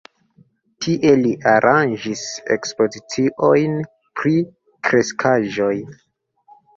Tie li aranĝis ekspoziciojn pri kreskaĵoj.